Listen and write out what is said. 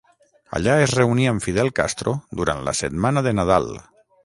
Allà es reuní amb Fidel Castro durant la setmana de Nadal.